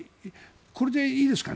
これでいいですかね